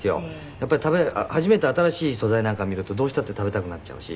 やっぱり初めて新しい素材なんか見るとどうしたって食べたくなっちゃうし。